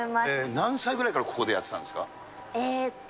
何歳ぐらいからここでやってえっと